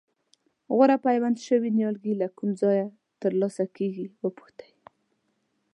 غوره پیوند شوي نیالګي له کوم ځایه ترلاسه کېږي وپوښتئ.